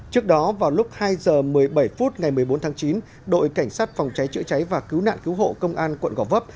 trước đó vào lúc hai h một mươi bảy phút ngày một mươi bốn tháng chín đội cảnh sát phòng cháy chữa cháy và cứu nạn cứu hộ công an quận gò vấp